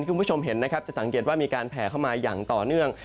คุณผู้ชมเห็นนะครับจะสังเกตว่ามีการแผลเข้ามาอย่างต่อเนื่อง